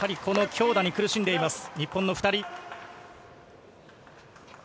この強打に苦しんでいます、日本の２人。